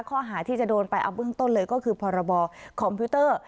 ข้อหาที่จะโดนไปเอาเบื้องต้นเลยก็คือพรบคอมพิวเตอร์